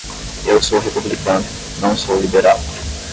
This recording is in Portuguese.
Eu sou republicano, não sou liberal.